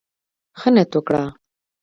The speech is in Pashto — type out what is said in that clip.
ښه نيت وکړه.